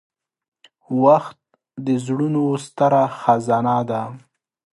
• وخت د زړونو ستره خزانه ده.